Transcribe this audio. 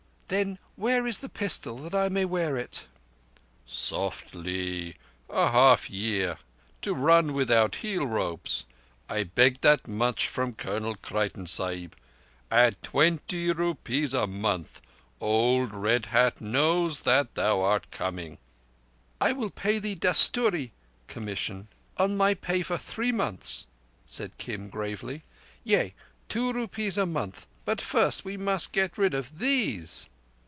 "Then where is the pistol that I may wear it?" "Softly! A half year, to run without heel ropes. I begged that much from Colonel Creighton Sahib. At twenty rupees a month. Old Red Hat knows that thou art coming." "I will pay thee dustoorie (commission) on my pay for three months," said Kim gravely. "Yea, two rupees a month. But first we must get rid of these."